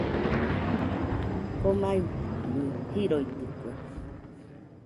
Komaibɨ riroitɨkue.